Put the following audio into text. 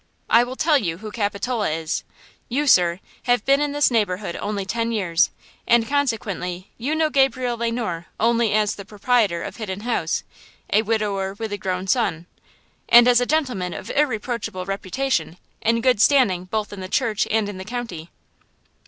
I will tell you who Capitola is. You, sir, have been in this neighborhood only ten years, and, consequently, you know Gabriel Le Noir only as the proprietor of Hidden House, a widower with a grown son–" "And as a gentleman of irreproachable reputation, in good standing both in the church and in the county."